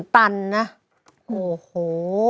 ๙๐๐๐๐ตันนะโอ้โห